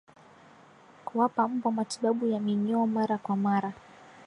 Kuwapa mbwa matibabu ya minyoo mara kwa mara